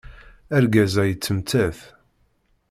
Argaz-a yettemttat.